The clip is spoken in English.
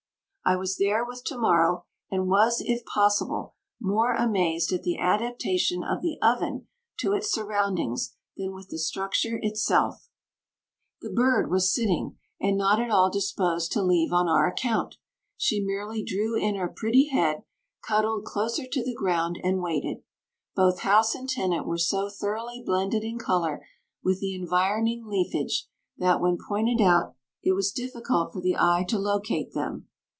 I was there with to morrow and was, if possible, more amazed at the adaptation of the "oven" to its surroundings than with the structure itself. The bird was sitting and not at all disposed to leave on our account; she merely drew in her pretty head, cuddled closer to the ground, and waited. Both house and tenant were so thoroughly blended in color with the environing leafage that, when pointed out, it was difficult for the eye to locate them.